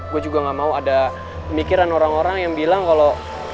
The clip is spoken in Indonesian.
gue juga gak mau ada mikiran orang orang yang bilang kalau